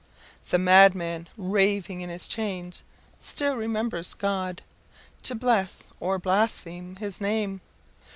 The madman raving in his chains still remembers his God, to bless or blaspheme his name.